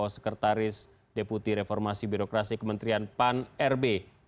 sekretaris deputi reformasi birokrasi kementerian pan rb